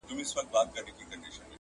مرگ موش دئ نوم پر ايښى دهقانانو؛